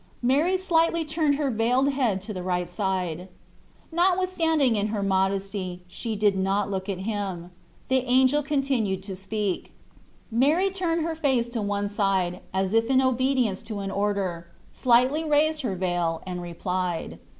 Mary slightly turned her veiled head to the right side. Notwithstanding, in her modesty she did not look at him. The angel con tinued to speak. Mary turned her face on one side, as if in obedience to an order, slightly raised her veil, and replied.